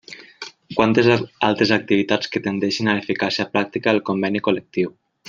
Quantes altres activitats que tendeixin a l'eficàcia pràctica del Conveni col·lectiu.